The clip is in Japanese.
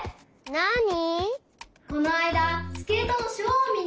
なに？